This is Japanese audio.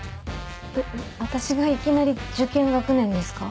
えっ私がいきなり受験学年ですか？